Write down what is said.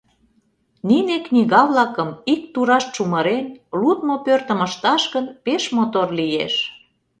Нине книга-влакым, ик тураш чумырен, лудмо пӧртым ышташ гын, пеш мотор лиеш.